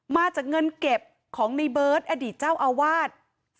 มาจากเงินเก็บของในเบิร์ตอดีตเจ้าอาวาส